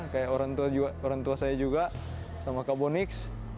kayak orang tua saya juga sama kak bonix